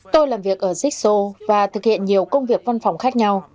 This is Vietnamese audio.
tôi làm việc ở jixo và thực hiện nhiều công việc văn phòng khác nhau